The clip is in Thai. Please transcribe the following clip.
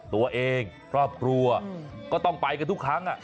ครอบครัวก็ต้องไปกันทุกครั้ง